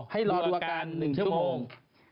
ให้รอดัวกัน๑ชั่วโมง